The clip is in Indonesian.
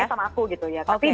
kebohongan sama aku gitu ya